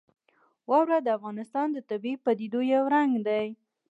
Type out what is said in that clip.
واوره د افغانستان د طبیعي پدیدو یو رنګ دی.